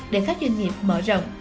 để các doanh nghiệp mở rộng